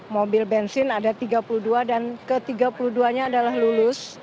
mobil bensin ada tiga puluh dua dan ke tiga puluh dua nya adalah lulus